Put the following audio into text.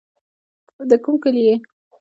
د کوم کلي يې.